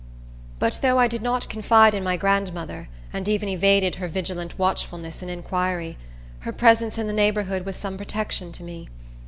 But though I did not confide in my grandmother, and even evaded her vigilant watchfulness and inquiry, her presence in the neighborhood was some protection to me.